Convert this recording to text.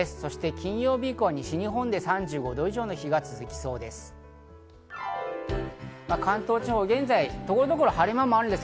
金曜日以降は西日本で３５度以上の日が続きそうです。